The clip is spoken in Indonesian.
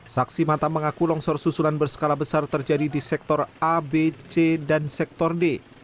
saksi mata mengaku longsor susulan berskala besar terjadi di sektor a b c dan sektor d